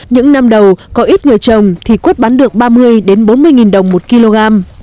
những năm đầu có ít người trồng thì quất bán được ba mươi bốn mươi nghìn đồng một kg